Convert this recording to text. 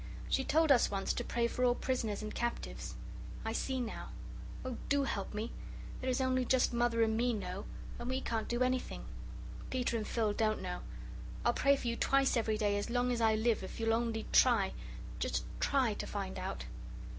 She told us once to pray for all prisoners and captives. I see now. Oh, do help me there is only just Mother and me know, and we can't do anything. Peter and Phil don't know. I'll pray for you twice every day as long as I live if you'll only try just try to find out.